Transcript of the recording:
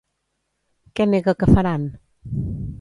Què nega que faran?